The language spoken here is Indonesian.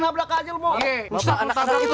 lah lah lah itu dia ondel ondelnya